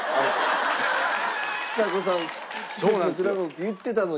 ちさ子さん「季節の果物」って言ってたのに。